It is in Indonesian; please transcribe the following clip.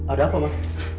ada apa mak